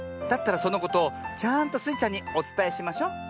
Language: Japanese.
だったらそのことをちゃんとスイちゃんにおつたえしましょ。